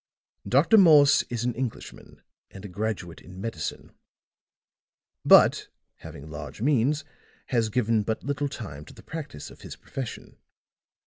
"Dr. Morse is an Englishman and a graduate in medicine; but having large means has given but little time to the practice of his profession.